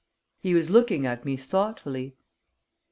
He was looking at me thoughtfully.